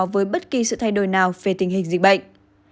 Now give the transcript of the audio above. với bất kỳ sự thay đổi nào về tình hình dịch bệnh